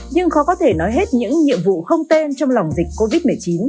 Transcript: nhưng khó có thể nói hết những nhiệm vụ không tên trong lòng dịch covid một mươi chín